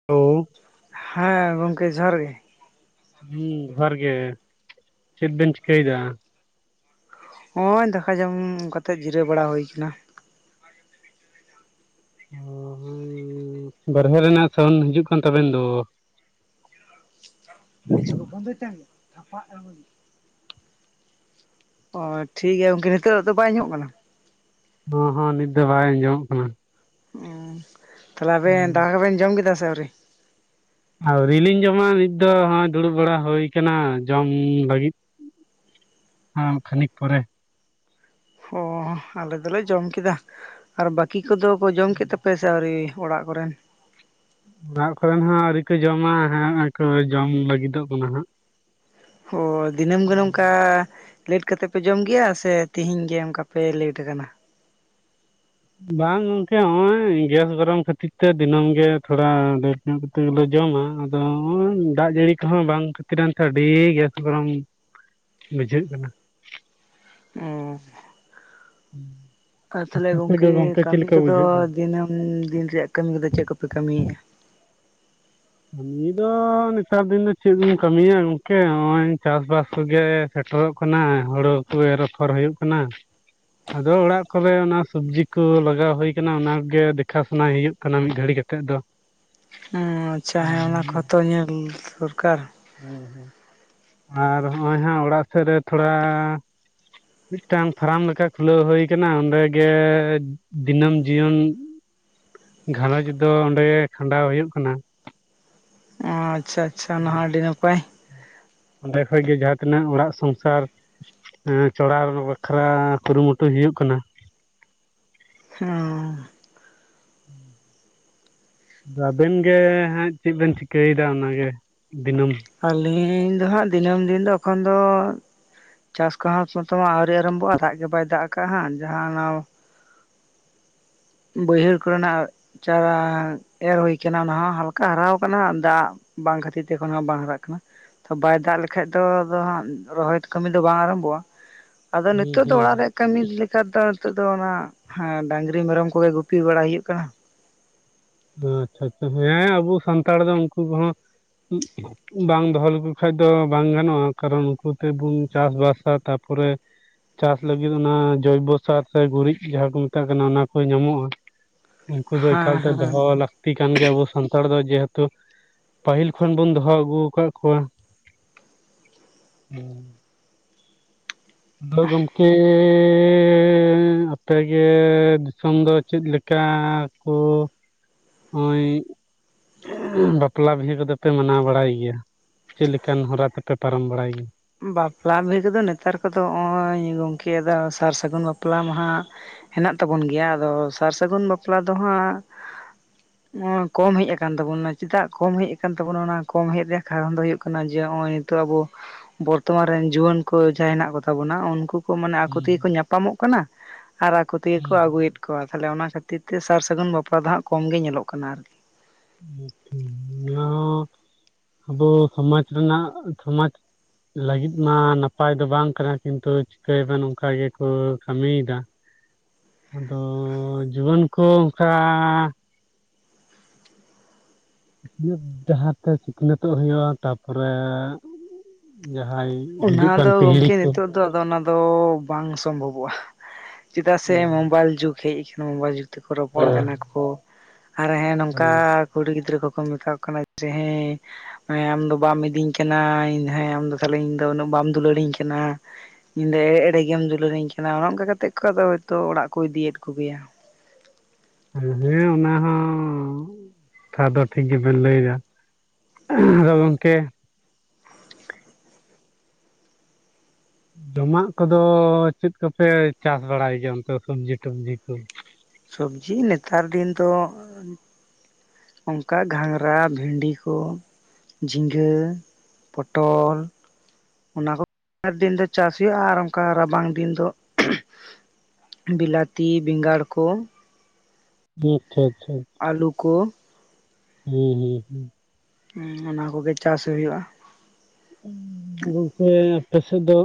[unintelligible] ᱦᱮᱸ ᱜᱚᱢᱠᱮ ᱡᱚᱦᱟᱨ ᱜᱮ᱾ ᱦᱩᱸ ᱡᱚᱦᱟᱨ ᱜᱮ ᱪᱮᱫ ᱵᱮᱱ ᱪᱤᱠᱟᱹᱭ ᱫᱟ? ᱦᱚᱸᱜ ᱚᱭ ᱫᱟᱠᱟ ᱡᱚᱢ ᱠᱟᱛᱮᱜ ᱡᱤᱨᱟᱹᱣ ᱵᱟᱲᱟ ᱦᱚᱭ ᱟᱠᱟᱱᱟ᱾ ᱵᱟᱨᱦᱮ ᱨᱮᱱᱟᱜ ᱥᱟᱹᱣᱩᱱ ᱦᱤᱡᱩᱜ ᱠᱟᱱ ᱛᱟᱵᱮᱱ ᱫᱚ᱾ ᱯᱷᱮᱥᱵᱩᱠ ᱵᱚᱱᱫᱚᱭ ᱛᱟᱢ ᱭᱟ ᱛᱷᱟᱯᱟ ᱮᱲ ᱢᱤᱭᱟᱹᱧ᱾ ᱚ ᱴᱷᱤᱠ ᱜᱮᱭᱟ ᱜᱚᱝᱠᱮ ᱱᱤᱛᱚᱜ ᱫᱚ ᱵᱟᱭ ᱟᱸᱡᱚᱢᱚᱜ ᱠᱟᱱᱟ? ᱦᱚᱸ ᱦᱚᱸ ᱱᱤᱛ ᱫᱚ ᱵᱟᱭ ᱟᱸᱡᱚᱢᱚᱜ ᱠᱟᱱᱟ᱾ ᱦᱩᱸ ᱛᱟᱦᱞᱮ ᱟᱵᱮᱱ ᱫᱟᱠᱟ ᱠᱚᱵᱮᱱ ᱡᱚᱢ ᱠᱮᱫᱟ ᱥᱮ ᱟᱹᱣᱨᱤ? ᱟᱹᱣᱨᱤ ᱞᱤᱧ ᱡᱚᱢᱟ ᱱᱤᱛ ᱫᱚ ᱦᱚᱸᱜ-ᱚᱭ ᱫᱩᱲᱩᱵ ᱵᱟᱲᱟ ᱦᱚᱭ ᱠᱟᱱᱟ ᱡᱚᱢ ᱞᱟᱹᱜᱤᱫ᱾ ᱟᱢ ᱠᱷᱟᱹᱱᱤᱜ ᱯᱚᱨᱮ᱾ ᱦᱚ ᱟᱞᱮ ᱫᱚᱞᱮ ᱡᱚᱢ ᱠᱮᱫᱟ, ᱟᱨ ᱵᱟᱹᱠᱤ ᱠᱚᱫᱚ ᱠᱚ ᱡᱚᱢ ᱠᱮᱫ ᱛᱟᱯᱮ ᱥᱮ ᱥᱮ ᱟᱹᱣᱨᱤ ᱚᱲᱟᱜ ᱠᱚᱨᱮ᱾ ᱚᱲᱟᱜ ᱠᱚᱨᱮᱱ ᱦᱚᱸ ᱟᱹᱣᱨᱤ ᱠᱚ ᱡᱚᱢᱟ ᱦᱮᱸ ᱱᱚᱦᱚᱭ ᱠᱚ ᱡᱚᱢ ᱞᱟᱹᱜᱤᱫᱚᱜ ᱠᱟᱱᱟ ᱦᱟᱸᱜ᱾ ᱚ ᱫᱤᱱᱟᱹᱢ ᱜᱮ ᱱᱚᱝᱠᱟ ᱞᱮᱹᱴ ᱠᱟᱛᱮ ᱯᱮ ᱡᱚᱢ ᱜᱮᱭᱟ, ᱥᱮ ᱛᱤᱦᱤᱧ ᱜᱮ ᱚᱱᱠᱟ ᱯᱮ ᱞᱮᱹᱴ ᱠᱟᱱᱟ? ᱵᱟᱝ ᱜᱚᱝᱠᱮ ᱦᱚᱸᱜ-ᱚᱭ ᱜᱮᱥ ᱜᱚᱨᱚᱢ ᱠᱷᱟᱹᱛᱤᱨ ᱛᱮ ᱫᱤᱱᱟᱹᱢ ᱜᱮ ᱛᱷᱚᱲᱟ ᱞᱮᱴ᱾ ᱧᱩ ᱠᱟᱛᱮ ᱜᱮᱞᱮ ᱡᱚᱢᱟ᱾ ᱟᱫᱚ ᱱᱚᱦᱚᱸᱭ ᱫᱟᱜ ᱡᱟᱹᱲᱤ ᱠᱚᱦᱚᱸ ᱵᱟᱝ ᱠᱷᱟᱹᱛᱤ ᱨᱟᱱ ᱛᱮ ᱟᱹᱰᱤ ᱡᱟᱥᱛᱤ ᱜᱚᱨᱚᱢ᱾ ᱵᱩᱡᱷᱟᱹᱜ ᱠᱟᱱᱟ᱾ ᱚᱸ ᱟᱨ ᱛᱟᱦᱞᱮ ᱟᱯᱮ ᱫᱚ ᱜᱚᱝᱠᱮ ᱪᱮᱫ ᱠᱟᱹᱢᱤ ᱞᱮᱠᱟ ᱠᱚᱫᱚ ᱵᱩᱡᱷᱟᱹᱜ ᱠᱟᱱᱟ? ᱫᱤᱱᱟᱹᱢ᱾ ᱦᱩᱸ ᱫᱤᱱ ᱨᱮᱭᱟᱜ ᱠᱟᱹᱢᱤ ᱠᱚᱫᱚ ᱪᱮᱫ ᱠᱚᱯᱮ ᱠᱟᱹᱢᱤᱭᱮᱜᱼᱟ? ᱠᱟᱹᱢᱤ ᱫᱚ ᱱᱮᱛᱟᱨ ᱫᱤᱱ ᱫᱚ ᱪᱮᱫ ᱵᱤᱱ ᱠᱟᱹᱢᱤᱭᱟ ᱜᱚᱝᱠᱮ, ᱱᱚᱜ ᱚᱸᱭ ᱪᱟᱥ ᱵᱟᱥ ᱠᱚ ᱜᱮ᱾ ᱥᱮᱴᱮᱨᱚᱜ ᱠᱟᱱᱟ᱾ ᱦᱳᱲᱳ ᱠᱚ ᱮᱨ ᱟᱯᱷᱚᱨ ᱦᱳᱭᱳᱜ ᱠᱟᱱᱟ᱾ ᱟᱫᱚ ᱚᱲᱟᱜ ᱠᱚᱨᱮ ᱚᱱᱟ ᱥᱩᱵᱽᱡᱤ ᱠᱚ ᱞᱟᱜᱟᱣ ᱦᱳᱭ ᱠᱟᱱᱟ ᱚᱱᱟ ᱠᱚ ᱜᱮ ᱫᱮᱠᱷᱟ ᱥᱩᱱᱟᱭ ᱦᱩᱭᱩᱜ᱾ ᱠᱟᱱᱟ ᱢᱤᱫ ᱜᱷᱟᱹᱲᱤ ᱠᱟᱛᱮᱜ ᱫᱚ᱾ ᱦᱚᱸ ᱟᱪᱷᱟ ᱦᱮᱸ ᱚᱱᱟ ᱠᱚᱦᱚᱸ ᱛᱚ ᱧᱮᱞ ᱫᱚᱨᱠᱟᱨ᱾ ᱦᱩᱸ ᱦᱩᱸ ᱟᱨ ᱦᱚᱸᱜ ᱚᱭ ᱦᱟᱸᱜ ᱚᱲᱟᱜ ᱥᱮᱜ ᱨᱮ ᱛᱷᱚᱲᱟ ᱾ ᱢᱤᱫ ᱴᱟᱝ ᱯᱷᱟᱨᱟᱢ ᱞᱮᱠᱟ ᱠᱷᱩᱞᱟᱹᱣ ᱦᱚᱭ ᱠᱟᱱᱟ ᱚᱸᱰᱮ ᱜᱮ ᱫᱤᱱᱟᱹᱢ ᱡᱤᱭᱚᱱ᱾ ᱜᱷᱟᱨᱚᱸᱡᱽ ᱫᱚ ᱚᱸᱰᱮ ᱠᱷᱟᱸᱰᱟᱣ ᱦᱩᱭᱩᱜ ᱠᱟᱱᱟ᱾ ᱚ ᱟᱪᱪᱷᱟ ᱟᱪᱪᱷᱟ ᱚᱱᱟ ᱦᱚᱸ ᱟᱹᱰᱤ ᱱᱟᱯᱟᱭ᱾ ᱚᱸᱰᱮ ᱠᱷᱚᱡ ᱜᱮ ᱡᱟᱦᱟᱸ ᱛᱤᱱᱟᱹᱜ ᱚᱲᱟᱜ ᱥᱚᱝᱥᱟᱨ᱾ ᱦᱮᱸ ᱪᱚᱲᱟᱣ ᱵᱟᱠᱷᱨᱟ ᱠᱩᱨᱩᱢᱩᱴᱩᱭ ᱦᱩᱭᱩᱜ ᱠᱟᱱᱟ᱾ ᱦᱩᱸ ᱦᱩᱸ ᱟᱵᱮᱱ ᱜᱮ ᱦᱟᱸᱜ ᱪᱮᱫ ᱵᱮᱱ ᱪᱤᱠᱟᱹᱭᱮᱫᱟ ᱚᱱᱟᱜᱮ ᱫᱤᱱᱟᱹᱢ᱾ ᱟᱹᱞᱤᱧ ᱫᱚᱦᱟᱸᱜ ᱫᱤᱱᱟᱹᱢ ᱫᱤᱱ ᱫᱚ ᱮᱠᱷᱚᱱ ᱫᱚ᱾ ᱪᱟᱥ ᱠᱚᱦᱚᱸ ᱱᱚᱛᱮ ᱢᱟ ᱟᱹᱣᱨᱤ ᱟᱨᱚᱢᱵᱚᱜ-ᱟ᱾ ᱫᱟᱜ ᱜᱮ ᱵᱟᱭ ᱫᱟᱜ ᱠᱟᱫ ᱦᱟᱸᱜ ᱡᱟᱦᱟᱸ ᱱᱟᱹᱣ᱾ ᱵᱟᱹᱭᱦᱟᱹᱲ ᱠᱚᱨᱮᱱᱟᱜ ᱪᱟᱨᱟ ᱮᱨ ᱦᱳᱭ ᱠᱟᱱᱟ ᱚᱱᱟ ᱦᱚᱸ ᱦᱟᱞᱠᱟ ᱦᱟᱨᱟᱣ ᱠᱟᱱᱟ ᱦᱟᱸᱜ ᱫᱟᱜ᱾ ᱵᱟᱝ ᱠᱷᱟᱹᱛᱤᱨ ᱛᱮ ᱮᱠᱷᱚᱱ ᱦᱚᱸᱜ ᱵᱟᱝ ᱦᱟᱨᱟᱜ ᱠᱟᱱᱟ᱾ ᱵᱟᱭ ᱫᱟᱜ ᱞᱮᱠᱷᱟᱡ ᱫᱚ ᱟᱫᱚ ᱦᱟᱸᱜ ᱨᱚᱦᱚᱭ ᱠᱟᱹᱢᱤ ᱫᱚ ᱵᱟᱝ ᱟᱨᱚᱢᱵᱚᱜᱼᱟ᱾ ᱟᱫᱚ ᱦᱩᱸ ᱱᱤᱛᱚᱜ ᱫᱚ ᱦᱩᱸ ᱚᱲᱟᱜ ᱨᱮᱭᱟᱜ ᱠᱟᱹᱢᱤ ᱞᱮᱠᱟ ᱫᱚ ᱱᱤᱛᱚᱜ ᱫᱚ ᱚᱱᱟ ᱦᱟᱸ ᱰᱟᱝᱨᱤ ᱢᱮᱨᱚᱢ ᱠᱩ᱾ [unintelligible] ᱜᱩᱯᱤ ᱵᱟᱲᱟ ᱦᱩᱭᱩᱜ ᱠᱟᱱᱟ᱾ ᱟᱪᱪᱷᱟ ᱟᱪᱪᱷᱟ ᱦᱮᱸ ᱟᱵᱚ ᱥᱟᱱᱛᱟᱲ ᱫᱚ ᱩᱱᱠᱩ ᱠᱚᱦᱚᱸ ᱵᱟᱝ ᱫᱚᱦᱚ ᱞᱮᱠᱚ ᱠᱷᱟᱡ ᱫᱚ ᱵᱟᱝ ᱜᱟᱱᱚᱜᱼᱟ ᱠᱟᱨᱚᱱ ᱩᱱᱠᱩ ᱛᱮᱵᱚᱱ ᱪᱟᱥᱵᱟᱥᱟ ᱛᱟᱨᱯᱚᱨᱮ ᱪᱟᱥ ᱞᱟᱹᱜᱤᱫ ᱚᱱᱟ ᱡᱚᱭᱵᱚ ᱥᱟᱨ ᱥᱮ ᱜᱩᱨᱤᱡ ᱡᱟᱦᱟᱸ ᱠᱚ ᱢᱮᱛᱟᱜ ᱠᱟᱱᱟ ᱚᱱᱟ ᱠᱚᱭ ᱧᱟᱢᱚᱜᱼᱟ᱾ ᱩᱱᱠᱩ ᱫᱚ ᱦᱮᱸ ᱮᱠᱟᱞᱛᱮ ᱦᱮᱸ ᱫᱚᱦᱚ ᱞᱟᱹᱠᱛᱤ ᱠᱟᱱ ᱜᱮᱭᱟ ᱟᱵᱚ ᱥᱟᱱᱛᱟᱲ ᱫᱚ ᱡᱮᱦᱮᱛᱩ ᱯᱟᱹᱦᱤᱞ ᱠᱷᱚᱱ ᱵᱚᱱ ᱫᱚᱦᱚ ᱟᱹᱜᱩ ᱟᱠᱟᱜ ᱠᱚᱣᱟ ᱟᱫᱚ ᱜᱚᱝᱠᱮ ᱟᱯᱮᱜᱮᱻ ᱫᱤᱥᱚᱢᱻ ᱫᱚ ᱪᱮᱫ ᱞᱮᱠᱟᱻ ᱠᱚ ᱚᱜᱚᱭ ᱵᱟᱯᱞᱟ ᱵᱤᱦᱟ ᱠᱚᱫᱚ ᱯᱮ ᱢᱟᱱᱟᱣ ᱵᱟᱲᱟᱭ ᱜᱮᱭᱟ᱾ ᱪᱮᱫ ᱞᱮᱠᱟᱱ ᱦᱚᱨᱟ ᱛᱮᱯᱮ ᱯᱟᱨᱚᱢ ᱵᱟᱲᱟᱭ ᱜᱮ? ᱵᱟᱯᱞᱟ ᱵᱤᱦᱟᱹ ᱠᱚᱫᱚ ᱱᱮᱛᱟᱨ ᱠᱚᱫᱚ ᱦᱚᱸᱜ-ᱚᱭ ᱜᱚᱢᱠᱮ ᱟᱫᱚ ᱥᱟᱨ ᱥᱟᱹᱜᱩᱱ ᱵᱟᱯᱞᱟ ᱢᱟᱦᱟᱸᱜ᱾ ᱦᱮᱱᱟᱜ ᱛᱟᱵᱚᱱ ᱜᱮᱭᱟ, ᱟᱫᱚ ᱥᱟᱨ ᱥᱟᱹᱜᱩᱱ ᱵᱟᱯᱞᱟ ᱫᱚ ᱦᱟᱸᱜ᱾ [inaudible] ᱱᱚᱜᱼᱚᱭ ᱠᱚᱢ ᱦᱮᱡ ᱟᱠᱟᱱ ᱛᱟᱵᱚᱱᱟ ᱪᱮᱫᱟᱜ ᱠᱚᱢ ᱦᱮᱡᱟᱠᱟᱱ ᱛᱟᱵᱚᱱᱟ ᱚᱱᱟ ᱠᱚᱢ ᱦᱮᱡ ᱨᱮᱭᱟᱜ ᱠᱟᱨᱚᱱ ᱫᱚ ᱦᱩᱭᱩᱜ ᱠᱟᱱᱟ ᱡᱮ ᱚᱜᱼ ᱚᱭ ᱛᱚ ᱟᱵᱚ ᱵᱚᱨᱛᱚᱢᱟᱱ ᱨᱮᱱ ᱡᱩᱣᱟᱹᱱ ᱠᱚ ᱡᱟᱦᱟᱸᱭ ᱦᱮᱱᱟᱜ ᱠᱚᱛᱟᱵᱚᱱᱟ ᱩᱱᱠᱩ ᱠᱚ ᱢᱟᱱᱮ ᱜᱮᱭᱟ ᱟᱠᱚᱛᱮᱜᱮ ᱠᱚ ᱧᱟᱯᱟᱢᱚᱜ ᱠᱟᱱᱟ᱾ ᱠᱟᱱᱟ ᱟᱨ ᱟᱠᱚ ᱛᱮᱜᱮ ᱠᱚ ᱱᱚᱣᱟ ᱟᱹᱜᱩᱭᱮᱫ ᱠᱚᱣᱟ ᱛᱟᱦᱞᱮ ᱚᱱᱟ ᱠᱷᱟᱹᱛᱤᱨ ᱛᱮ ᱥᱟᱨ ᱥᱟᱹᱜᱩᱱ ᱵᱟᱯᱞᱟ ᱫᱚ ᱦᱟᱸᱜ ᱠᱚᱢ ᱜᱮ ᱧᱮᱞᱚᱜ ᱠᱟᱱᱟ ᱟᱨᱠᱤ ᱱᱚᱣᱟ ᱦᱚᱸ ᱟᱵᱚ ᱥᱚᱢᱟᱡ ᱨᱮᱱᱟᱜ ᱥᱚᱢᱟᱡ ᱾ ᱞᱟᱹᱜᱤᱫ ᱢᱟ ᱱᱟᱯᱟᱭ ᱫᱚ ᱵᱟᱝ ᱠᱟᱱᱟ ᱠᱤᱱᱛᱩ ᱪᱤᱠᱟᱹᱭᱟᱵᱮᱱ ᱚᱝᱠᱟ ᱜᱮᱠᱚ ᱠᱟᱹᱢᱤᱭᱮᱫᱟ᱾ ᱟᱫᱚ ᱡᱩᱣᱟᱹᱱ ᱠᱚ ᱚᱱᱠᱟ ᱰᱟᱦᱟᱨ ᱛᱮ ᱥᱤᱠᱷᱱᱟᱹᱛᱚᱜ ᱦᱩᱭᱩᱜᱼᱟ ᱛᱟᱯᱚᱨᱮ ᱡᱟᱦᱟᱸᱭ ᱦᱤᱡᱩᱜ ᱚᱱᱟ ᱠᱟᱱ ᱫᱚ ᱯᱤᱦᱲᱤ ᱜᱚᱢᱠᱮ ᱠᱚ ᱱᱤᱛᱚᱜ ᱫᱚ ᱚᱱᱟ ᱫᱚ ᱵᱟᱝ ᱥᱚᱢᱵᱷᱚᱵᱚᱜᱼᱟ ᱪᱮᱫᱟᱜ ᱦᱩᱸ ᱥᱮ ᱢᱳᱵᱟᱭᱤᱞ ᱡᱩᱜᱽ ᱦᱮᱡ ᱟᱠᱟᱱᱟ ᱢᱳᱵᱟᱭᱤᱞ ᱡᱩᱜᱽ ᱛᱮᱠᱚ ᱨᱚᱯᱚᱲ ᱠᱟᱱᱟ ᱦᱩᱸ ᱠᱚ ᱟᱨ ᱦᱮᱸ ᱦᱩᱸ ᱱᱚᱝᱠᱟ ᱠᱩᱲᱤ ᱜᱤᱫᱽᱨᱟᱹ ᱠᱚᱠᱚ ᱢᱮᱛᱟ ᱠᱚ ᱠᱟᱱᱟ ᱡᱮ ᱦᱮᱸ ᱦᱮ ᱟᱢ ᱫᱚ ᱵᱟᱢ ᱤᱫᱤᱧ ᱠᱟᱱᱟ ᱤᱧ ᱦᱮ ᱟᱢᱫᱚ ᱠᱷᱟᱞᱤ ᱤᱧ ᱫᱚ ᱩᱱᱟᱹᱜ ᱵᱟᱢ ᱫᱩᱞᱟᱹᱲᱤᱧ ᱠᱟᱱᱟ᱾ ᱧᱤᱫᱟᱹ ᱮᱲᱮ ᱮᱲᱮ ᱜᱮᱢ ᱫᱩᱞᱟᱹᱲᱤᱧ ᱠᱟᱱᱟ ᱚᱱᱮ ᱚᱱᱠᱟ ᱠᱟᱛᱮᱫ ᱠᱚ ᱚᱲᱟᱜ ᱠᱚ ᱤᱫᱤᱭᱮᱫ ᱠᱚᱜᱮᱭᱟ ᱦᱮᱸ ᱚᱱᱟ ᱦᱚᱸ ᱠᱟᱛᱷᱟ ᱫᱚ ᱴᱷᱤᱠ ᱜᱮᱵᱮᱱ ᱞᱟᱹᱭᱫᱟ ᱟᱫᱚ ᱜᱚᱝᱠᱮ ᱡᱚᱢᱟᱜ ᱠᱚᱫᱚ ᱪᱮᱫ ᱠᱚᱯᱮ ᱪᱟᱥ ᱵᱟᱲᱟᱭ ᱜᱮᱭᱟ ᱚᱱᱛᱮ ᱥᱚᱵᱡᱤ ᱴᱚᱵᱡᱤ ᱠᱚ᱾ ᱥᱚᱵᱡᱤ ᱱᱮᱛᱟᱨ ᱫᱤᱱ ᱫᱚ ᱚᱝᱠᱟ ᱜᱷᱟᱸᱜᱽᱨᱟ ᱵᱷᱤᱰᱤ ᱠᱚ᱾ ᱡᱷᱤᱸᱜᱟᱹ ᱯᱚᱴᱚᱞ᱾ ᱚᱱᱟ ᱠᱚ [unintelligible] ᱫᱤᱱ ᱫᱚ ᱪᱟᱥ ᱦᱩᱭᱩᱜᱼᱟ ᱟᱨ ᱚᱱᱠᱟ ᱨᱟᱵᱟᱝ ᱫᱤᱱ ᱫᱚ ᱵᱤᱞᱟᱛᱤ ᱵᱤᱜᱟᱲ ᱠᱚ ᱟᱪᱷᱟ ᱟᱪᱪᱷᱟ᱾ ᱟᱹᱞᱩ ᱠᱚ ᱦᱩ ᱦᱩ ᱦᱩ ᱦᱩᱸ ᱚᱱᱟ ᱠᱚᱜᱮ ᱪᱟᱥ ᱦᱩᱭᱩᱜᱼᱟ ᱜᱚᱝᱠᱮ ᱟᱯᱮ ᱥᱮᱫ ᱫᱚ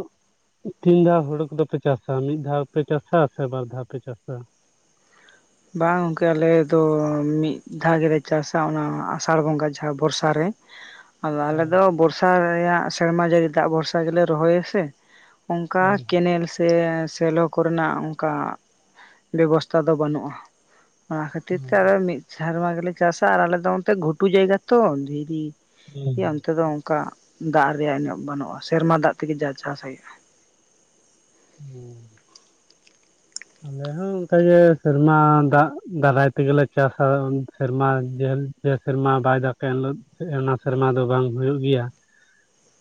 ᱛᱤᱱ ᱫᱷᱟᱣ ᱦᱳᱲᱳ ᱠᱚᱫᱚᱯᱮ ᱪᱟᱥᱟ ᱢᱤᱫ ᱫᱷᱟᱣ ᱯᱮ ᱪᱟᱥᱟ ᱥᱮ ᱵᱟᱨ ᱫᱷᱟᱣ ᱯᱮ ᱪᱟᱥᱟ ᱵᱟᱝ ᱜᱚᱝᱠᱮ ᱟᱞᱮ ᱫᱚ ᱢᱤᱫ ᱫᱷᱟᱣ ᱜᱮᱞᱮ ᱪᱟᱥᱟ ᱚᱱᱟ ᱟᱥᱟᱲ ᱵᱚᱸᱜᱟ ᱡᱟᱦᱟᱸ ᱵᱚᱨᱥᱟ ᱨᱮ᱾ [inaudible] ᱟᱫᱚ ᱟᱞᱮ ᱫᱚ ᱵᱚᱨᱥᱟ ᱨᱮᱭᱟᱜ ᱥᱮᱨᱢᱟ ᱡᱟᱹᱲᱤ ᱫᱟᱜ ᱵᱷᱚᱨᱥᱟ ᱜᱮᱞᱮ ᱨᱚᱦᱚᱭᱟᱥᱮ᱾ ᱚᱱᱠᱟ ᱦᱮᱸ ᱠᱮᱱᱮᱞ ᱥᱮ ᱥᱮᱞᱚ ᱠᱚᱨᱮᱱᱟᱜ ᱚᱱᱠᱟ ᱵᱮᱵᱚᱥᱛᱟ ᱫᱚ ᱵᱟᱹᱱᱩᱜᱼᱟ ᱚᱱᱟ ᱠᱷᱟᱹᱛᱤᱨ ᱛᱮ ᱟᱞᱮ ᱫᱚ ᱢᱤᱫ ᱥᱮᱨᱢᱟ ᱜᱮᱞᱮ ᱪᱟᱥᱟ ᱟᱨ ᱟᱞᱮᱫᱚ ᱚᱱᱛᱮ ᱜᱷᱩᱴᱩ ᱡᱟᱭᱜᱟ ᱛᱚ ᱫᱷᱤᱨᱤ ᱦᱮᱸ ᱮᱭᱟ ᱚᱱᱛᱮ ᱫᱚ ᱚᱱᱠᱟ ᱫᱟᱜ ᱨᱮᱭᱟᱜ ᱮᱱᱚᱜ ᱵᱟᱹᱱᱩᱜᱼᱟ ᱥᱮᱨᱢᱟ ᱫᱟᱜ ᱛᱮᱜᱮ ᱡᱟ ᱪᱟᱥ ᱦᱩᱭᱩᱜᱼᱟ ᱦᱩᱸ ᱟᱞᱮ ᱦᱚᱸ ᱚᱱᱠᱟᱜᱮ ᱥᱮᱨᱢᱟ ᱫᱟᱜ ᱫᱟᱨᱟᱭ ᱛᱮᱜᱮᱞᱮ ᱪᱟᱥᱟ ᱥᱮᱨᱢᱟ ᱡᱟᱹᱞ᱾ ᱡᱮ ᱥᱮᱨᱢᱟ ᱵᱟᱭ ᱫᱟᱠᱟᱭ ᱤᱱᱮᱦᱤᱞᱚ ᱚᱱᱟ ᱥᱮᱨᱢᱟ ᱫᱚ ᱵᱟᱝ ᱦᱩᱭᱩᱜ ᱜᱮᱭᱟ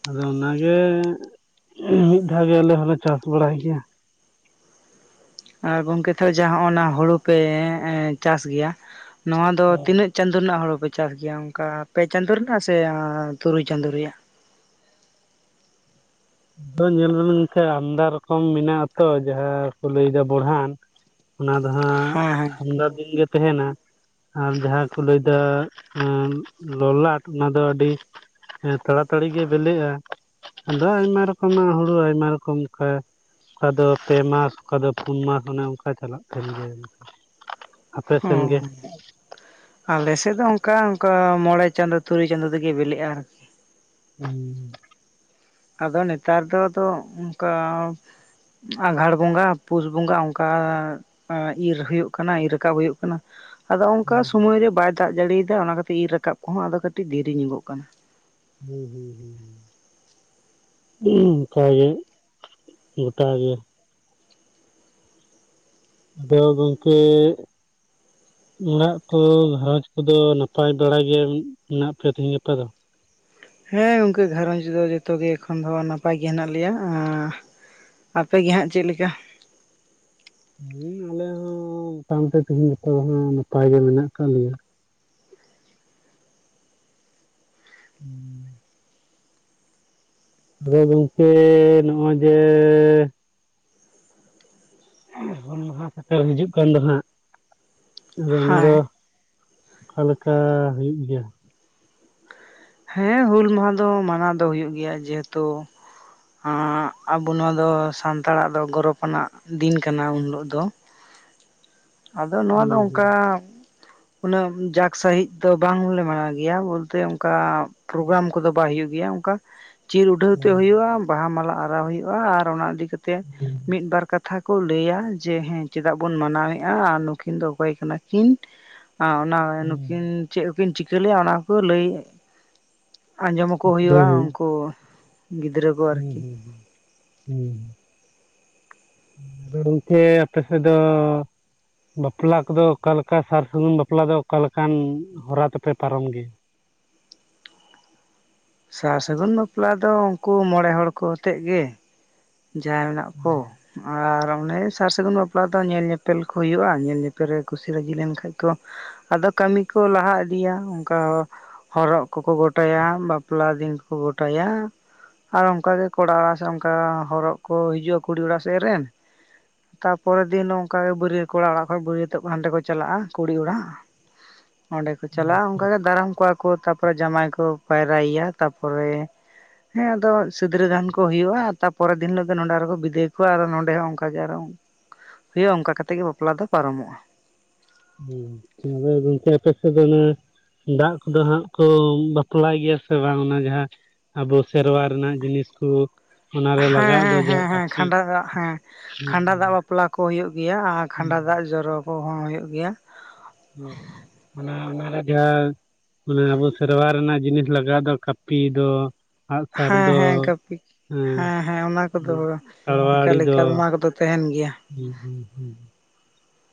ᱟᱫᱚ ᱚᱱᱟᱜᱮ ᱢᱤᱫ ᱫᱷᱟᱣ ᱜᱮ ᱟᱞᱮ ᱦᱚᱸᱞᱮ ᱪᱟᱥ ᱵᱟᱲᱟᱭ ᱜᱮᱭᱟ᱾ ᱟᱨ ᱜᱚᱝᱠᱮ ᱛ ᱡᱟᱦᱟᱸ ᱚᱱᱟ ᱦᱩᱲᱩ ᱯᱮ ᱪᱟᱥ ᱜᱮᱭᱟ ᱱᱚᱣᱭᱟ ᱫᱚ ᱦᱮᱸ ᱛᱤᱱᱟᱹᱜ᱾ ᱪᱟᱸᱫᱳ ᱨᱮᱱᱟᱜ ᱦᱳᱲᱳ ᱯᱮ ᱪᱟᱥ ᱜᱮᱭᱟ ᱚᱱᱠᱟ ᱯᱮ ᱪᱟᱸᱫᱳ ᱨᱮᱱᱟᱜ ᱥᱮ ᱛᱩᱨᱩᱭ ᱪᱟᱸᱫᱚᱳ ᱨᱮᱭᱟᱜ᱾ ᱛᱚ ᱧᱮᱞ ᱵᱤᱱ ᱜᱚᱢᱠᱮ ᱟᱢᱫᱟ ᱨᱚᱠᱚᱢ ᱢᱮᱱᱟᱜ ᱟᱛᱚ ᱡᱟᱦᱟᱸᱠᱩ ᱞᱟᱹᱭᱮᱫᱟ ᱵᱚᱲᱦᱟᱱ᱾ ᱚᱱᱟ ᱫᱚ ᱦᱟᱸᱜ ᱦᱮᱸ ᱦᱮᱸ ᱟᱢᱫᱟ ᱫᱤᱱ ᱜᱮ ᱛᱟᱦᱮᱱᱟ᱾ ᱟᱨ ᱡᱟᱦᱟᱸ ᱠᱚ ᱞᱟᱹᱭ ᱮᱫᱟ ᱞᱚᱞᱟᱴ ᱚᱱᱟ ᱫᱚ ᱟᱹᱰᱤ ᱦᱮᱸ ᱛᱟᱲᱟᱛᱟᱲᱤ ᱜᱮ ᱵᱤᱞᱤᱜᱼᱟ ᱟᱫᱚ ᱟᱭᱢᱟ᱾ ᱟᱭᱢᱟ ᱨᱚᱠᱚᱢᱟᱜ ᱦᱩᱲᱩ ᱟᱭᱢᱟ ᱨᱚᱠᱚᱢ ᱚᱱᱠᱟ ᱚᱠᱟ ᱫᱚ ᱯᱮ ᱢᱟᱥ ᱚᱠᱟ ᱫᱚ ᱯᱩᱱ ᱢᱟᱥ ᱚᱱᱮ ᱚᱱᱠᱟ ᱪᱟᱞᱟᱜ ᱛᱟᱞᱮ ᱜᱮᱭᱟ ᱟᱯᱮ ᱥᱮᱱ ᱜᱮ ᱦᱚᱸ ᱟᱞᱮᱥᱮᱫ ᱫᱚ ᱚᱱᱠᱟ ᱚᱱᱠᱟ ᱢᱚᱬᱮ ᱪᱟᱸᱫᱚ ᱛᱩᱨᱩᱭ ᱪᱟᱸᱫᱚ ᱛᱮᱜᱮ ᱵᱮᱞᱮᱜᱼᱟ ᱟᱨᱠᱤ᱾ ᱦᱩᱸ ᱟᱫᱚ ᱱᱮᱛᱟᱨ ᱫᱚ ᱟᱫᱚ ᱚᱱᱠᱟ᱾ ᱟᱸᱜᱷᱟᱲ ᱵᱚᱸᱜᱟ ᱯᱩᱥ ᱵᱚᱸᱜᱟ ᱚᱱᱠᱟ᱾ ᱟ ᱤᱨ ᱦᱩᱭᱩᱜ ᱠᱟᱱᱟ ᱤᱨ ᱨᱟᱠᱟᱵ ᱦᱩᱭᱩᱜ ᱠᱟᱱᱟ᱾ ᱟᱫᱚ ᱚᱱᱠᱟ ᱦᱩᱸ ᱥᱚᱢᱚᱭ ᱨᱮ ᱵᱟᱭ ᱫᱟᱜ ᱡᱟᱲᱤ ᱫᱟ ᱚᱱᱟ ᱠᱷᱟᱛᱤᱨ ᱤᱨ ᱨᱟᱠᱟᱵ ᱠᱚᱦᱚᱸ ᱟᱫᱚ ᱠᱟᱹᱴᱤᱡ ᱫᱮᱨᱤ ᱧᱚᱜᱚᱜ ᱠᱟᱱᱟ᱾ ᱦᱩᱸ ᱦᱩᱸ ᱦᱩᱸ ᱦᱩᱸ [unintelligible] ᱦᱩᱸ ᱚᱱᱠᱟ ᱜᱮ ᱜᱚᱴᱟ ᱜᱮ᱾ ᱟᱫᱚ ᱜᱚᱝᱠᱮ᱾ ᱚᱲᱟᱜ ᱠᱚ ᱜᱷᱟᱨᱚᱸᱡᱽ ᱠᱚᱫᱚ ᱱᱟᱯᱟᱭ ᱵᱟᱲᱟ ᱜᱮ ᱢᱮᱱᱟᱜ ᱯᱮᱭᱟ ᱛᱮᱦᱮᱧ ᱜᱟᱯᱟ ᱫᱚ ᱦᱮᱸ ᱜᱚᱝᱠᱮ ᱜᱷᱟᱨᱚᱧᱡᱽ ᱫᱚ ᱡᱚᱛᱚ ᱜᱮ ᱮᱠᱷᱚᱱ ᱫᱚ ᱱᱟᱯᱟᱭ ᱜᱮ ᱦᱮᱱᱟᱜ ᱞᱮᱭᱟ ᱟᱸ ᱟᱯᱮ ᱜᱮ ᱦᱟᱜ ᱪᱮᱫ ᱞᱮᱠᱟ ᱦᱩᱸ ᱟᱞᱮ ᱦᱚᱸ ᱢᱚᱴᱟᱢᱩᱴᱤ ᱛᱤᱦᱤᱧ ᱜᱟᱯᱟ ᱫᱚ ᱦᱟᱸᱜ ᱱᱟᱯᱟᱭ ᱜᱮ ᱢᱮᱱᱟᱜ ᱠᱟᱫ ᱞᱮᱭᱟ ᱦᱩᱸ [unintelligible] ᱟᱫᱚ ᱜᱚᱝᱠᱮᱻ ᱱᱚᱜᱼᱚᱭ ᱡᱮᱻ ᱦᱩᱞ ᱢᱟᱦᱟ ᱥᱮᱴᱮᱨ ᱦᱤᱡᱩᱜ ᱠᱟᱱ ᱫᱚ ᱦᱟᱸᱜ ᱟᱫᱚ ᱚᱱᱟ ᱫᱚ ᱦᱮᱸ ᱚᱠᱟ ᱞᱮᱠᱟ ᱦᱩᱭᱩᱜ ᱜᱮᱭᱟ ᱦᱮᱸ ᱦᱩᱞ ᱢᱟᱦᱟ ᱫᱚ ᱢᱟᱱᱟᱣ ᱫᱚ ᱦᱩᱭᱩᱜ ᱜᱮᱭᱟ ᱡᱮᱦᱮᱛᱩ ᱟᱵᱚ ᱱᱚᱣᱟ ᱫᱚ ᱥᱟᱱᱛᱟᱲᱟᱜ ᱫᱚ ᱜᱚᱨᱚᱵ ᱟᱱᱟᱜ ᱫᱤᱱ ᱠᱟᱱᱟ ᱩᱱ ᱦᱤᱞᱚᱜ ᱫᱚ [unintelligible] ᱟᱫᱚ ᱱᱚᱣᱟ ᱦᱩᱸ ᱫᱚ ᱚᱱᱠᱟ᱾ ᱦᱩᱸ ᱩᱱᱟᱹᱜ ᱡᱟᱠ ᱥᱟᱦᱤᱡ ᱫᱚ ᱵᱟᱝᱞᱮ ᱢᱟᱱᱟᱣ ᱜᱮᱭᱟ ᱵᱚᱞᱛᱮ ᱚᱱᱠᱟ ᱯᱨᱳᱜᱨᱟᱢ ᱠᱚᱫᱚ ᱵᱟᱭ ᱦᱳᱭᱳᱜ ᱜᱮᱭᱟ ᱚᱱᱠᱟ ᱪᱤᱨ ᱩᱰᱷᱟᱹᱣ ᱛᱮ ᱦᱩᱸ ᱦᱩᱭᱩᱜᱼᱟ ᱵᱟᱦᱟ ᱢᱟᱞᱟ ᱟᱨᱟᱣ ᱦᱩᱭᱩᱜᱼᱟ ᱟᱨ ᱚᱱᱟ ᱤᱫᱤ ᱠᱟᱛᱮ ᱦᱩᱸ ᱢᱤᱫ ᱵᱟᱨ ᱠᱟᱛᱦᱟ ᱠᱟᱛᱷᱟ ᱠᱚ ᱞᱟᱹᱭᱟ ᱡᱮ ᱦᱮᱸ ᱪᱮᱫᱟᱜ ᱵᱚᱱ ᱢᱟᱱᱟᱣᱮᱫᱼᱟ ᱟᱨ ᱱᱩᱠᱤᱱ ᱫᱚ ᱚᱠᱚᱭ ᱠᱟᱱᱟ ᱠᱤᱱ ᱦᱟᱸ ᱚᱱᱟ ᱱᱩᱠᱤᱱ ᱦᱩᱸ ᱪᱮᱫ ᱠᱚᱠᱤᱱ ᱪᱤᱠᱟᱹ ᱞᱮᱫᱟ ᱚᱱᱟᱠᱚ ᱞᱟᱹᱭ ᱟᱸᱡᱚᱢ ᱟᱠᱚ ᱫᱚ ᱦᱩᱭᱩᱜᱼᱟ ᱦᱩᱭᱩᱜ ᱩᱱᱠᱩ ᱜᱤᱫᱨᱟᱹ ᱦᱩᱸ ᱦᱩᱸ ᱦᱩᱸ ᱦᱩᱸ ᱟᱫᱚ ᱜᱚᱝᱠᱮ ᱟᱯᱮ ᱥᱮᱫ ᱫᱚ ᱵᱟᱯᱞᱟ ᱠᱚᱫᱚ ᱚᱠᱟ ᱞᱮᱠᱟ ᱥᱟᱨ ᱥᱟᱹᱜᱩᱱ ᱵᱟᱯᱞᱟ ᱫᱚ ᱚᱠᱟ ᱞᱮᱠᱟᱱ ᱦᱚᱨᱟ ᱛᱮᱯᱮ ᱯᱟᱨᱚᱢ ᱜᱮᱭᱟ ᱥᱟᱨ ᱥᱟᱹᱜᱩᱱ ᱵᱟᱯᱞᱟ ᱫᱚ ᱩᱱᱠᱩ ᱢᱚᱬᱮ ᱦᱚᱲ ᱠᱚ ᱟᱛᱮᱫ ᱜᱮ ᱡᱟᱦᱟᱸ ᱢᱮᱱᱟᱜ ᱠᱚ ᱟᱨ ᱚᱱᱮ ᱥᱟᱨ ᱥᱟᱹᱜᱩᱱ ᱵᱟᱯᱞᱟ ᱫᱚ ᱧᱮᱞ ᱧᱮᱯᱮᱞ ᱠᱚ ᱦᱩᱭᱩᱜᱼᱟ ᱧᱮᱞ ᱧᱮᱯᱮᱞ ᱨᱮ ᱠᱩᱥᱤ ᱨᱟᱹᱡᱤ ᱞᱮᱱᱠᱷᱟᱱ ᱠᱚ᱾ ᱟᱫᱚ ᱠᱟᱹᱢᱤ ᱠᱚ ᱞᱟᱦᱟ ᱤᱫᱤᱭᱟ ᱚᱱᱠᱟ ᱦᱚᱨᱚᱜ ᱠᱚᱠᱚ ᱜᱚᱴᱟᱭᱟ ᱵᱟᱯᱞᱟ ᱫᱤᱱ ᱠᱚᱠᱚ ᱜᱚᱴᱟᱭᱟ᱾ ᱟᱨ ᱚᱱᱠᱟᱜᱮ ᱠᱚᱲᱟ ᱚᱲᱟᱜ ᱥᱮᱫ ᱚᱱᱠᱟ ᱦᱚᱨᱚᱜ ᱠᱚ ᱦᱤᱡᱩᱜᱼᱟ ᱠᱩᱲᱤ ᱚᱲᱟᱜ ᱥᱮᱫ ᱨᱮᱱ᱾ ᱛᱟᱨᱯᱚᱨᱮᱨ ᱫᱤᱱ ᱚᱱᱠᱟ ᱜᱮ ᱵᱟᱹᱨᱭᱟᱹᱛ ᱠᱚᱲᱟ ᱚᱲᱟᱜ ᱠᱷᱚᱡ ᱵᱟᱹᱨᱭᱟᱹᱛᱚᱜ ᱠᱚ ᱦᱟᱱᱰᱮ ᱠᱚ ᱪᱟᱞᱟᱜᱼᱟ ᱠᱩᱲᱤ ᱚᱲᱟᱜ᱾ [unintelligible] ᱚᱸᱰᱮ ᱠᱚ ᱪᱟᱞᱟᱜᱼᱟ ᱟᱪᱪᱷᱟ ᱚᱱᱠᱟᱜᱮ ᱫᱟᱨᱟᱢ ᱠᱚᱣᱟ ᱠᱚ ᱛᱟᱨᱯᱚᱨᱮ ᱡᱟᱸᱣᱭᱟᱭ ᱠᱚ ᱯᱟᱭᱨᱟᱭᱮᱭᱟ ᱛᱟᱨᱯᱚᱨᱮ᱾ ᱦᱮᱸ ᱟᱫᱚ ᱥᱤᱫᱽᱨᱟᱹ ᱫᱟᱱ ᱠᱚ ᱦᱩᱭᱩᱜᱼᱟ ᱛᱟᱯᱚ᱾ ᱯᱚᱨᱮᱨ ᱫᱤᱱ ᱦᱤᱞᱚᱜ ᱫᱚ ᱱᱚᱸᱰᱮ ᱟᱨᱦᱚᱠᱚ ᱵᱤᱫᱟᱹᱭ ᱠᱚᱣᱭᱟ ᱟᱫᱚ ᱱᱚᱸᱰᱮ ᱦᱚᱸ ᱚᱱᱠᱟᱜᱮ ᱟᱨᱦᱚ᱾ ᱦᱳᱭᱳᱜ ᱟ ᱚᱱᱠᱟ ᱠᱟᱛᱮ ᱜᱮ ᱵᱟᱯᱞᱟ ᱫᱚ ᱯᱟᱨᱚᱢᱚᱜᱼᱟ᱾ ᱦᱯᱮᱟ ᱡ [unintelligible] ᱫᱟᱜ ᱠᱚᱫᱚ ᱦᱟᱸᱜ ᱠᱚ ᱵᱟᱯᱞᱟᱭ ᱜᱮᱭᱟ ᱥᱮ ᱵᱟᱝ, ᱚᱱᱟ ᱡᱟᱦᱟᱸ ᱟᱵᱚ ᱥᱮᱨᱣᱟ ᱨᱮᱱᱟᱜ ᱡᱤᱱᱤᱥ ᱠᱚ ᱾ ᱦᱮᱸ ᱦᱮᱸ ᱦᱮᱸ ᱦᱮᱸ ᱠᱷᱟᱸᱰᱟ ᱫᱟᱜ ᱦᱮᱸ ᱠᱷᱟᱸᱰᱟ ᱫᱟᱜ ᱵᱟᱯᱞᱟ ᱠᱚ ᱦᱩᱭᱩᱜ ᱜᱮᱭᱟ ᱟᱨ ᱠᱷᱟᱸᱰᱟ ᱫᱟᱜ ᱡᱚᱨᱚ ᱠᱚᱦᱚᱸ ᱦᱩᱭᱩᱜ ᱜᱮᱭᱟ ᱾ ᱮ ᱚᱱᱟ ᱚᱱᱟᱨᱮ ᱡᱟᱦᱟᱸ ᱢᱟᱱᱮ ᱟᱵᱚ ᱥᱮᱨᱣᱟ ᱨᱮᱱᱟᱜ ᱡᱤᱱᱤᱥ ᱞᱟᱜᱟᱣ ᱫᱚ ᱠᱟᱹᱯᱤ ᱫᱚ ᱟᱸᱜᱼᱥᱟᱨ ᱦᱮᱸ ᱫᱚ ᱦᱮᱸ ᱠᱟᱹᱯᱤ ᱾ ᱦᱮᱸ ᱦᱮᱸ ᱚᱱᱟ ᱠᱚᱫᱚ ᱮᱠᱟᱞ ᱛᱟᱲᱣᱟᱲᱤ ᱫᱚ ᱮᱠᱟᱞ ᱚᱱᱟ ᱠᱚᱫᱚ ᱛᱟᱦᱮᱱ ᱜᱮᱭᱟ ᱦᱩᱸ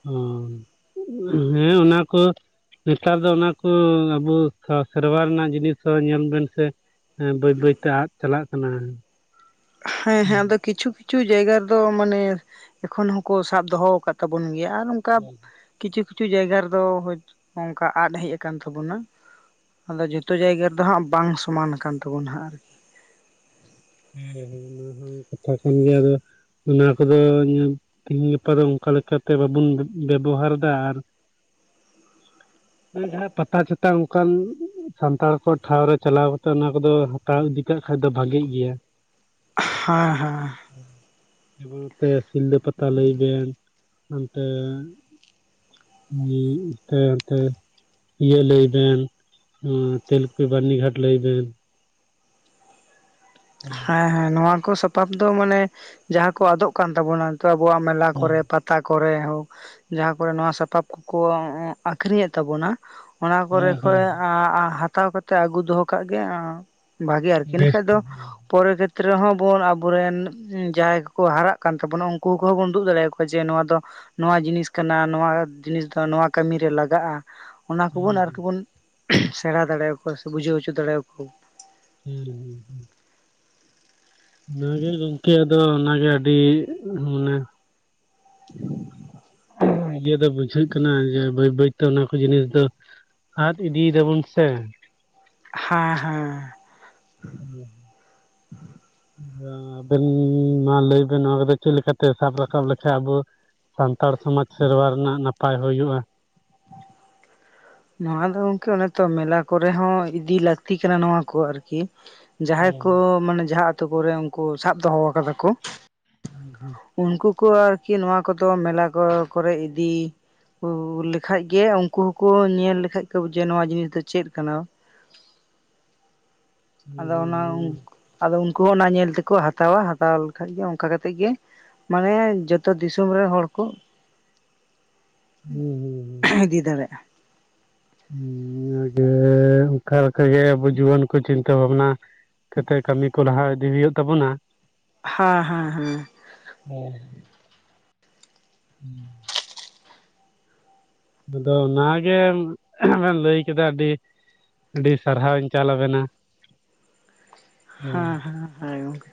ᱦᱩᱸ ᱦᱩᱸ ᱦᱮᱸ ᱚᱱᱟ ᱠᱚ ᱱᱮᱛᱟᱨ ᱫᱚ ᱚᱱᱟᱠᱩ ᱟᱵᱩ ᱥᱮᱨᱣᱟ ᱨᱮᱱᱟᱜ ᱡᱤᱱᱤᱥ ᱦᱚᱸ ᱧᱮᱞ ᱵᱮᱱ ᱥᱮ ᱵᱟᱹᱭ ᱵᱟᱹᱭ ᱛᱮ ᱟᱫ ᱪᱟᱞᱟᱜ ᱠᱟᱱᱟ ᱾ ᱦᱮᱸ ᱦᱮᱸ ᱾ ᱟᱫᱚ ᱠᱤᱪᱷᱩ ᱠᱤᱪᱷᱩ ᱡᱟᱭᱜᱟ ᱨᱮᱫᱚ ᱢᱟᱱᱮ ᱮᱠᱷᱚᱱ ᱦᱚᱸᱠᱚ ᱥᱟᱵ ᱫᱚᱦᱚ ᱟᱠᱟᱜ ᱛᱟᱵᱚᱱ ᱜᱮᱭᱟ ᱟᱨ ᱚᱱᱠᱟ ᱠᱤᱪᱷᱩ ᱠᱤᱪᱷᱩ ᱡᱟᱭᱜᱟ ᱨᱮᱫᱚ ᱚᱝᱠᱟ ᱟᱫ ᱦᱮᱡ ᱟᱠᱟᱱ ᱛᱟᱵᱚᱱᱟ ᱾ ᱟᱫᱚ ᱡᱚᱛᱚ ᱡᱟᱭᱜᱟ ᱨᱮᱫᱚ ᱦᱟᱸᱜ ᱵᱟᱝ ᱥᱚᱢᱟᱱ ᱟᱠᱟᱱ ᱛᱟᱵᱚᱱᱟ ᱦᱟᱸᱜ ᱟᱨᱠᱤ ᱾ ᱦᱮᱸ ᱦᱮᱸ ᱦᱮᱸ ᱚᱱᱟ ᱠᱟᱛᱷᱟ ᱠᱟᱱ ᱜᱮ ᱟᱫᱚ ᱚᱱᱟ ᱠᱚᱫᱚ ᱛᱮᱦᱤᱧ ᱜᱟᱯᱟ ᱫᱚ ᱚᱱᱠᱟ ᱞᱮᱠᱟ ᱛᱮ ᱵᱟᱵᱩᱱ ᱵᱮᱵᱚᱦᱟᱨ ᱮᱫᱟ ᱟᱨ ᱾ ᱡᱟᱦᱟᱸ ᱯᱟᱛᱟ ᱪᱷᱟᱛᱟ ᱚᱱᱠᱟᱱ ᱥᱟᱱᱛᱟᱲ ᱠᱚ ᱴᱷᱟᱶ ᱨᱮ ᱪᱟᱞᱟᱣ ᱠᱟᱛᱮᱫ ᱚᱱᱟ ᱠᱚᱫᱚ ᱦᱟᱛᱟᱣ ᱤᱫᱤ ᱠᱟᱜ ᱠᱷᱟᱡ ᱫᱚ ᱵᱷᱟᱜᱤ ᱜᱮᱭᱟ ᱾ ᱦᱮᱸ ᱦᱮᱸ ᱾ ᱡᱮᱵᱚᱝ ᱱᱚᱛᱮ ᱥᱤᱞᱫᱟᱹ ᱯᱟᱛᱟ ᱞᱟᱹᱭ ᱵᱮᱱ ᱦᱚᱱᱛᱮ ᱤ ᱱᱚᱛᱮ ᱦᱟᱛᱮ ᱤᱭᱟᱹ ᱞᱟᱹᱭ ᱵᱮᱱ ᱛᱮᱞ ᱠᱩᱯᱤ ᱵᱟᱹᱨᱱᱤ ᱜᱷᱟᱴ ᱞᱟᱹᱭ ᱵᱮᱱ ᱦᱮᱸ ᱦᱮᱸ, ᱱᱚᱣᱟ ᱠᱚ ᱥᱟᱯᱟᱵ ᱫᱚ ᱢᱟᱱᱮ ᱡᱟᱦᱟᱸ ᱠᱚ ᱟᱫᱚᱜ ᱠᱟᱱ ᱛᱟᱵᱚᱱᱟ, ᱱᱤᱛᱚᱜ ᱟᱵᱚᱣᱟᱜ ᱢᱮᱞᱟ ᱦᱮᱸ ᱠᱚᱨᱮ ᱯᱟᱛᱟ ᱠᱚᱨᱮ ᱦᱳᱠ ᱡᱟᱦᱟᱸ ᱠᱚᱨᱮ ᱱᱚᱣᱟ ᱥᱟᱯᱟᱵ ᱠᱚᱠᱚ ᱟᱠᱷᱨᱤᱧᱮᱫ ᱛᱟᱵᱚᱱᱟ, ᱚᱱᱟ ᱠᱚᱨᱮ ᱦᱮᱸ ᱠᱷᱚᱡ ᱦᱮᱸ ᱦᱟᱛᱟᱣ ᱠᱟᱛᱮ ᱟᱹᱜᱩ ᱫᱚᱦᱚ ᱠᱟᱜ ᱜᱮ ᱵᱷᱟᱜᱤ ᱟᱨᱠᱤ ᱵᱮᱥ ᱤᱱᱟᱹᱠᱷᱟᱡ ᱫᱚ ᱯᱚᱨᱮ ᱠᱷᱮᱛᱨᱮ ᱦᱚᱸᱵᱚᱱ ᱟᱵᱚᱨᱮᱱ ᱡᱟᱦᱟᱸᱭ ᱠᱚᱠᱚ ᱦᱟᱨᱟᱜ ᱠᱟᱱ ᱛᱟᱵᱚᱱᱟ, ᱩᱱᱠᱩ ᱠᱚᱦᱚᱸ ᱵᱚᱱ ᱩᱫᱩᱜ ᱫᱟᱲᱮᱭᱟᱠᱚ ᱾ ᱠᱚ ᱡᱮ ᱱᱚᱣᱟ ᱫᱚ ᱱᱚᱣᱟ ᱡᱤᱱᱤᱥ ᱠᱟᱱᱟ, ᱱᱚᱣᱟ ᱡᱤᱱᱤᱥ ᱫᱚ ᱱᱚᱣᱟ ᱠᱟᱹᱢᱤ ᱨᱮ ᱞᱟᱜᱟᱜᱼᱟ ᱾ ᱚᱱᱟ ᱦᱮᱸ ᱠᱚᱵᱚᱱ ᱟᱨᱠᱤ ᱵᱚᱱ ᱥᱮᱬᱟ ᱫᱟᱲᱮᱣᱟᱠᱚᱣᱟ ᱥᱮ ᱵᱩᱡᱷᱟᱹᱣ ᱦᱚᱪᱚ ᱫᱟᱲᱮᱭᱟᱠᱚᱣᱟ ᱾ ᱦᱩᱸ ᱾ ᱚᱱᱟᱜᱮ ᱜᱚᱝᱠᱮ ᱟᱫᱚ ᱚᱱᱟᱜᱮ ᱟᱹᱰᱤ ᱢᱟᱱᱮ [inaudible] ᱤᱭᱟᱹ ᱫᱚ ᱵᱩᱡᱷᱟᱹᱜ ᱠᱟᱱᱟ ᱡᱮ ᱵᱟᱹᱭ ᱵᱟᱹᱭᱛᱮ ᱚᱱᱟ ᱠᱚ ᱡᱤᱱᱤᱥ ᱫᱚ ᱟᱫ ᱤᱫᱤᱭ ᱫᱟᱵᱚᱱ ᱥᱮ ᱦᱮᱸ ᱦᱮᱸ᱾ ᱚᱸ [unintelligible] ᱟᱵᱮᱱ ᱢᱟ ᱞᱟᱹᱭ ᱵᱮᱱ ᱱᱚᱣᱟ ᱠᱚᱫᱚ ᱪᱮᱫᱠᱟ ᱞᱮᱠᱟᱛᱮ ᱥᱟᱵ ᱨᱟᱠᱟᱵ ᱞᱮᱠᱷᱟᱡ ᱟᱵᱚ ᱥᱟᱱᱛᱟᱲ ᱥᱚᱢᱟᱡᱽ ᱥᱮᱨᱣᱟ ᱨᱮᱱᱟᱜ ᱱᱟᱯᱟᱭ ᱦᱩᱭᱩᱜᱼᱟ ᱾ ᱱᱚᱣᱟ ᱫᱚ ᱜᱚᱝᱠᱮ ᱚᱱᱮ ᱛᱚ ᱢᱮᱞᱟ ᱠᱚᱨᱮ ᱦᱚᱸ ᱤᱫᱤ ᱞᱟᱹᱠᱛᱤ ᱠᱟᱱᱟ ᱱᱚᱣᱟ ᱠᱚ ᱟᱨᱠᱤ ᱾ ᱡᱟᱦᱟᱸᱭ ᱦᱩᱸ ᱠᱚ ᱢᱟᱱᱮ ᱡᱟᱦᱟᱸ ᱟᱛᱩ ᱠᱚᱨᱮ ᱩᱱᱠᱩ ᱥᱟᱵ ᱫᱚᱦᱚ ᱠᱟᱫᱟ ᱠᱚ ᱾ ᱦᱩᱸ ᱦᱩᱸ ᱩᱱᱠᱩ ᱠᱚ ᱟᱨᱠᱤ ᱱᱚᱣᱟ ᱠᱚᱫᱚ ᱢᱮᱞᱟ ᱠᱚ ᱠᱚᱨᱮ ᱤᱫᱤ ᱞᱮᱠᱷᱟᱡ ᱜᱮ ᱩᱱᱠᱩ ᱦᱚᱸᱠᱚ ᱧᱮᱞ ᱞᱮᱠᱷᱟᱡ ᱠᱚ ᱵᱩᱡᱷᱟᱹᱣᱟ ᱡᱮ ᱱᱚᱣᱟ ᱡᱤᱱᱤᱥ ᱫᱚ ᱪᱮᱫ ᱠᱟᱱᱟ ᱾ ᱟᱫᱚ ᱚᱱᱟ ᱦᱩᱸ ᱟᱫᱚ ᱩᱱᱠᱩ ᱦᱚᱸ ᱚᱱᱟ ᱧᱮᱞ ᱛᱮᱠᱚ ᱦᱟᱛᱟᱣᱟ, ᱦᱟᱛᱟᱣ ᱞᱮᱠᱷᱟᱡ ᱜᱮ ᱚᱱᱠᱟ ᱠᱟᱛᱮ ᱜᱮ ᱢᱟᱱᱮ ᱡᱚᱛᱚ ᱫᱤᱥᱚᱢ ᱨᱮᱱ ᱦᱚᱲ ᱠᱚ [inaudible] ᱦᱩᱸ ᱟᱨ ᱤᱫᱤ ᱫᱟᱲᱮᱜᱼᱟ ᱦᱮᱸ ᱚᱱᱠᱟ ᱜᱮ ᱟᱵᱚ ᱡᱩᱣᱟᱹᱱ ᱠᱚ ᱪᱤᱱᱛᱟᱹ ᱵᱷᱟᱵᱱᱟ ᱠᱟᱛᱮ ᱠᱟᱹᱢᱤ ᱠᱚ ᱞᱟᱦᱟ ᱤᱫᱤ ᱦᱩᱭᱩᱜ ᱛᱟᱵᱚᱱᱟ ᱾ ᱦᱟᱸ ᱦᱟᱸ ᱦᱮᱸ ᱦᱮᱸ ᱦᱩᱸ ᱟᱫᱚ ᱚᱱᱟᱜᱮ ᱵᱮᱱ ᱞᱟᱹᱭ ᱠᱮᱫᱟ ᱟᱹᱰᱤ ᱟᱹᱰᱤ ᱥᱟᱨᱦᱟᱣᱤᱧ ᱪᱟᱞ ᱟᱵᱮᱱᱟ ᱦᱮᱸ ᱦᱮᱸ ᱦᱮᱸ ᱜᱚᱝᱠᱮ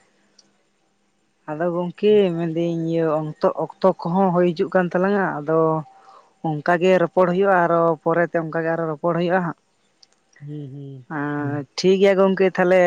ᱟᱫᱚ ᱜᱚᱢᱠᱮ ᱢᱮᱱᱫᱟᱹᱧ ᱤᱭᱟᱹ ᱚᱝᱠᱛᱚ ᱚᱠᱛᱚ ᱠᱚᱦᱚᱸ ᱦᱩᱭ ᱦᱤᱡᱩᱜ ᱠᱟᱱ ᱛᱟᱞᱟᱝᱟ ᱟᱫᱚ ᱚᱱᱠᱟ ᱜᱮ ᱨᱚᱯᱚᱲ ᱦᱩᱭᱩᱜᱼᱟ ᱟᱨᱚ ᱯᱚᱨᱮᱛᱮ ᱚᱱᱠᱟ ᱜᱮ ᱟᱨᱚ ᱨᱚᱯᱚᱲ ᱦᱩᱭᱩᱜᱼᱟ ᱦᱟᱜ ᱦᱮᱸ ᱦᱩᱸ ᱴᱷᱤᱠ ᱜᱮᱭᱟ ᱜᱚᱝᱠᱮ ᱛᱟᱦᱚᱞᱮ